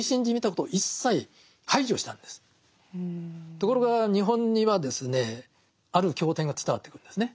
ところが日本にはある経典が伝わってくるんですね。